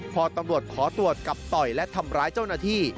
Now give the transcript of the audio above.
พอตำรวจขอตรวจกับต่อยและทำร้ายเจ้าหน้าที่